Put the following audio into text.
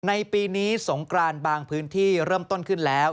ในปีนี้สงกรานบางพื้นที่เริ่มต้นขึ้นแล้ว